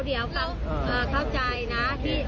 เดี๋ยวเข้าใจนะ